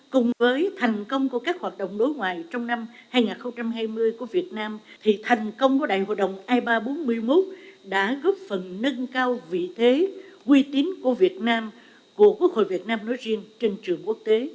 cùng với thành công của các hoạt động đối ngoại trong năm hai nghìn hai mươi của việt nam thì thành công của đại hội đồng ipa bốn mươi một đã góp phần nâng cao vị thế uy tín của việt nam của quốc hội việt nam nói riêng trên trường quốc tế